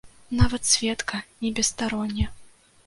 Нават сведка не бесстаронні.